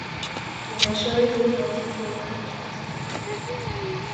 Initially he concentrated on jazz music.